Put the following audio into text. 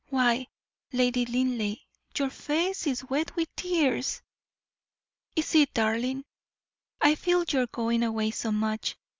Why, Lady Linleigh, your face is wet with tears!" "Is it, darling? I feel your going away so much.